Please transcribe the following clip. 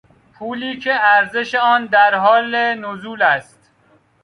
پولی که ارزش آن در حال نزول است